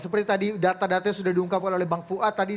seperti tadi data data yang sudah diungkapkan oleh bang fuad tadi